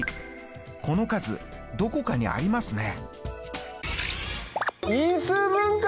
この数どこかにありますね。